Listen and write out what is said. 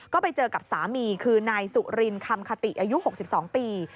ก็ไปเจอกับสามีคือนายสุรินคำคติอายุ๖๒ปี